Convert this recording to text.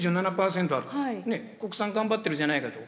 「国産頑張ってるじゃないか」と。